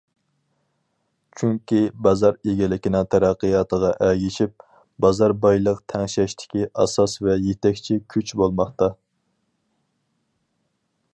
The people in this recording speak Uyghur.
چۈنكى، بازار ئىگىلىكىنىڭ تەرەققىياتىغا ئەگىشىپ، بازار بايلىق تەڭشەشتىكى ئاساس ۋە يېتەكچى كۈچ بولماقتا.